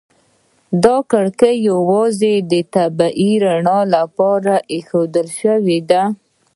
دا کړکۍ یوازې د طبیعي رڼا لپاره ایښودل شوي دي.